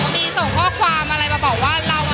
มีส่งข้อความอะไรมาบอกว่าเรา